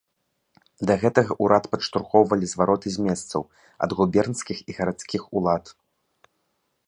Да гэтага ўрад падштурхоўвалі звароты з месцаў, ад губернскіх і гарадскіх улад.